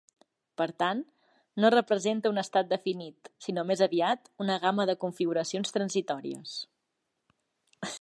Per tant, no representa un estat definit, sinó més aviat una gamma de configuracions transitòries.